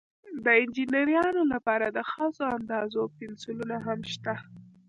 د انجینرانو لپاره د خاصو اندازو پنسلونه هم شته.